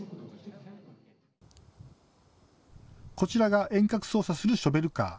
こちらが遠隔操作するショベルカー。